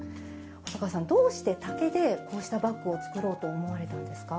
細川さんどうして竹でこうしたバッグを作ろうと思われたんですか？